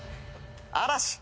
嵐。